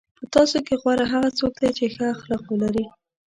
په تاسو کې غوره هغه څوک دی چې ښه اخلاق ولري.